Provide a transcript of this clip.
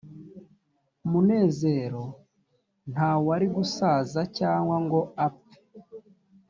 munezero nta wari gusaza cyangwa ngo apfe